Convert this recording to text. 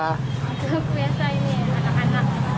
untuk biasa ini anak anak